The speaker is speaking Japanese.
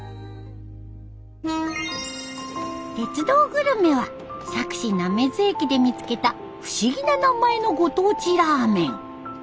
「鉄道グルメ」は佐久市滑津駅で見つけた不思議な名前のご当地ラーメン。